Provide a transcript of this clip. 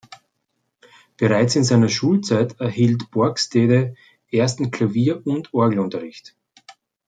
Bereits in seiner Schulzeit erhielt Borgstede ersten Klavier- und Orgelunterricht.